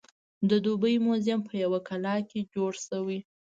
د دوبۍ موزیم په یوه کلا کې جوړ شوی.